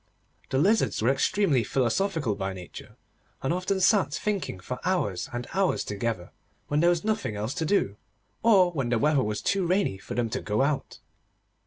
The Lizards were extremely philosophical by nature, and often sat thinking for hours and hours together, when there was nothing else to do, or when the weather was too rainy for them to go out.